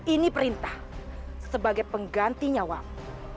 ini perintah sebagai pengganti nyawamu